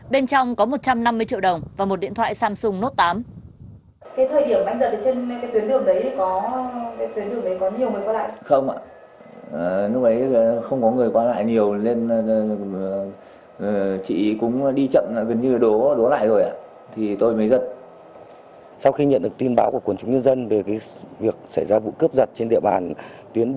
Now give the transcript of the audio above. bên trong có một trăm năm mươi triệu đồng và một điện thoại samsung note tám